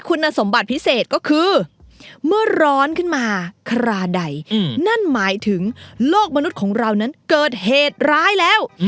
คุณสมบัติพิเศษก็คือ